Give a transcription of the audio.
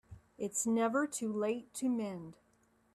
It's never too late to mend